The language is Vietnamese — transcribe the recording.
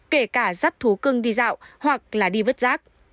kể cả dắt thú cưng đi dạo hoặc là đi vứt rác